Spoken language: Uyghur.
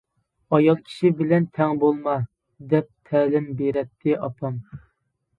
«ئايال كىشى بىلەن تەڭ بولما» دەپ تەلىم بېرەتتى ئاپام.